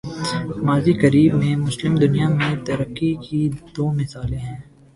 ماضی قریب میں، مسلم دنیا میں ترقی کی دو مثالیں ہیں۔